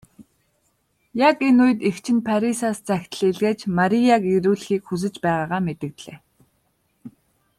Яг энэ үед эгч нь Парисаас захидал илгээж Марияг ирүүлэхийг хүсэж байгаагаа мэдэгдлээ.